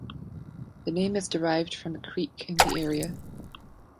The name is derived from a creek in the area.